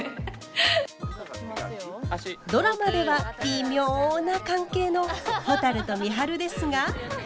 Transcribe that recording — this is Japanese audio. ドラマではビミョな関係のほたると美晴ですが。